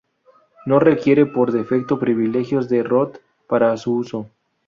No requiere por defecto privilegios de root para su uso.